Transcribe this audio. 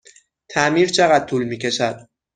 تعمیر چقدر طول می کشد؟